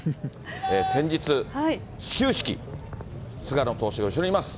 先日、始球式。菅野投手、後ろにいます。